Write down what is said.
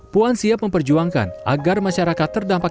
puan siap memperjuangkan agar masyarakat terdampak